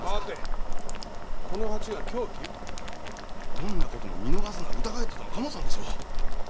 どんな事も見逃すな疑えって言ったのカモさんでしょう。